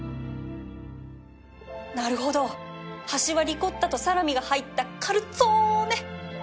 なるほど端はリコッタとサラミが入ったカルツォーネ